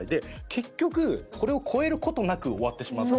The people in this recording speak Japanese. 結局これを超える事なく終わってしまった。